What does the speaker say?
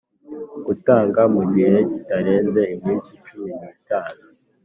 gutanga mu gihe kitarenze iminsi cumi nitanu